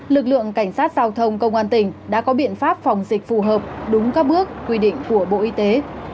lực lượng cảnh sát giao thông công an tỉnh đã có biện pháp phòng dịch phù hợp đúng các bước quy định của bộ y tế